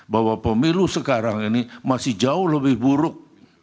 bahwa pemilu sekarang ini masih jauh lebih buruk